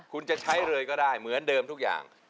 คุณจะใช้เลยก็ได้เหมือนเดิมทุกอย่าง